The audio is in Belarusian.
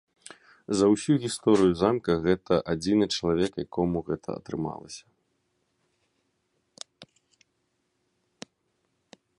За ўсю гісторыю замка гэта адзіны чалавек, якому гэта атрымалася.